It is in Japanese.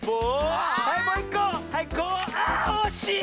あおしい！